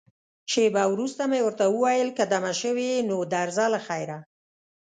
شېبه وروسته مې ورته وویل، که دمه شوې یې، نو درځه له خیره.